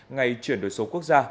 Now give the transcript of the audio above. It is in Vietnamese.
ngày chuyển đổi số quốc gia